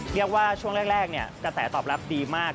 เรียกว่าช่วงแรกกระแสตอบรับดีมาก